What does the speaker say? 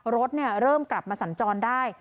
รถเริ่มกลับมาสัญจรได้